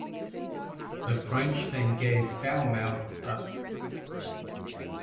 The French then gave "Falmouth" up.